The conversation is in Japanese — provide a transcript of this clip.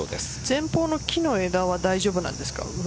前方の木の枝は大丈夫なんですか？